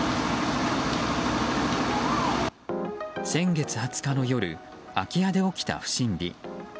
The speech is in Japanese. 先月２０日の夜空き家で起きた不審火。